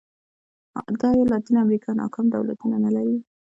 ایا لاتینه امریکا ناکام دولتونه نه لري.